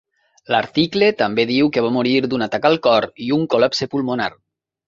L'article també diu que va morir d'un atac al cor i un col·lapse pulmonar.